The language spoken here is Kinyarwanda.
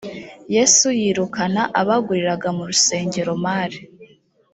yesu yirukana abaguriraga mu rusengero mar